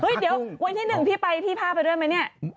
เดี๋ยววันที่๑พี่ไปพี่พาไปด้วยไหมเนี่ย